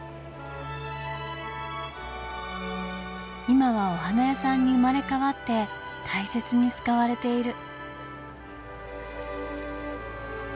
今はお花屋さんに生まれ変わって大切に使われている。